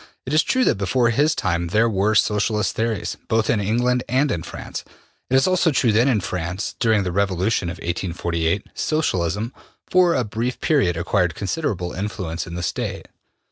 It is true that before his time there were Socialist theories, both in England and in France. It is also true that in France, during the revolution of 1848, Socialism for a brief period acquired considerable influence in the State.